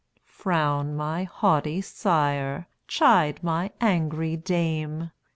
Frown, my haughty sire! chide, my angry dame!